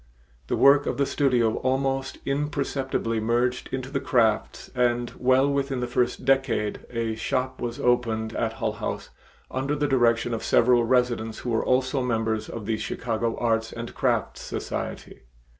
The work of the studio almost imperceptibly merged into the crafts and well within the first decade a shop was opened at Hull House under the direction of several residents who were also members of the Chicago Arts and Crafts Society.